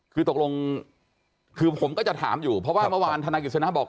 คือตกลงคือผมก็จะถามอยู่เพราะว่าเมื่อวานธนายกิจสนะบอก